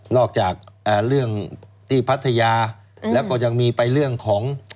จากเรื่องที่พัทยาแล้วก็ยังมีไปเรื่องของ